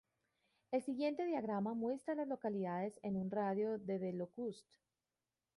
El siguiente diagrama muestra a las localidades en un radio de de Locust.